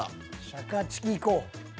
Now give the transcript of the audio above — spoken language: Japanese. シャカチキいこう。